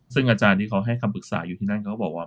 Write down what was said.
ซึ่งอาจารย์ที่เขาให้คำปรึกษาอยู่ที่นั่นเขาบอกว่า